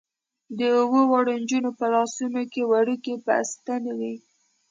د اوو واړو نجونو په لاسونو کې وړوکې بستې وې.